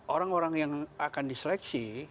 orang orang yang akan diseleksi